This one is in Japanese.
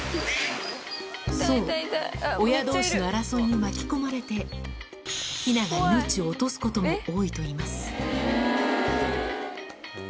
そう、親どうしの争いに巻き込まれて、ヒナが命を落とすことも多いといいます。